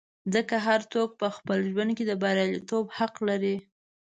ځکه هر څوک په خپل ژوند کې د بریالیتوب حق لري.